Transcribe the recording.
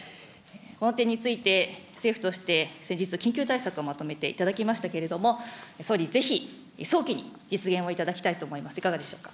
この点について、政府として先日、緊急対策をまとめていただきましたけれども、総理、ぜひ早期に実現をいただきたいと思います。